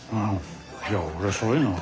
いや俺そういうのは。